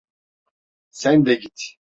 Sen de git.